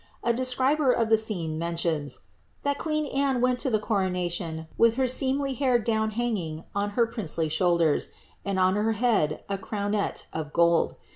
A describer of the scene' mentions, ^ that queen Anne went to the coro nation with her seemly hair down hanging on her princely shoulders, and on her head a crownet of gold.